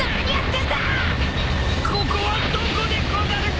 ここはどこでござるか！？